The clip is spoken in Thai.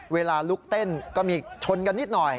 เวลาลุกเต้นก็มีชนกันนิดหน่อย